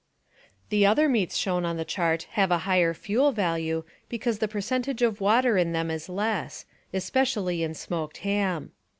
The other meats shown on the chart have a higher fuel value because the percentage of water in them is less, especially in smoked ham.